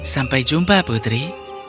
sampai jumpa putri